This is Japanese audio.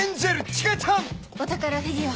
お宝フィギュア！